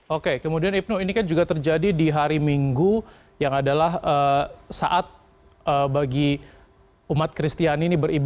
oke kemudian ibnu ini kan juga terjadi di hari minggu yang adalah saat bagi umat kristiani ini beribadah